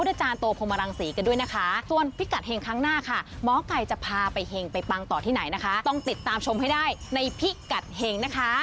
ที่ไหนนะคะต้องติดตามชมให้ได้ในพิกัดเห็งนะคะ